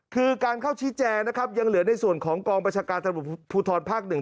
คือการเข้าชี้แจงนะครับยังเหลือในส่วนของกองประชาการสถาบุผู้ทอดฐานพลังนึง